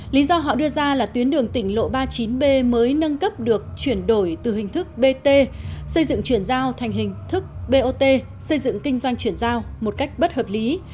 lý do họ đưa ra là tuyến đường tỉnh lộ ba mươi chín b mới nâng cấp được chuyển đổi từ hình thức bt xây dựng chuyển giao thành hình thức bot xây dựng kinh doanh chuyển giao một cách bất hợp lý